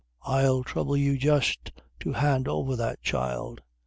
I'll trouble you just to hand over that child!"